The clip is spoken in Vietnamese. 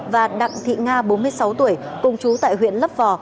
và đặng thị nga bốn mươi sáu tuổi cùng chú tại huyện lấp vò